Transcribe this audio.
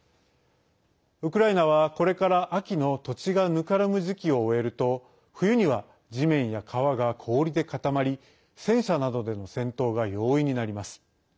ウクライナは、これから秋の土地がぬかるむ時期を終えると冬には地面や川が氷で固まり戦車などでの戦闘が容易になります。